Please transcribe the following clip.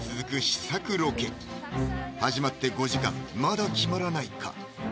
試作ロケ始まって５時間まだ決まらないか